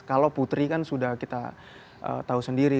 kalau putri kan sudah kita tahu sendiri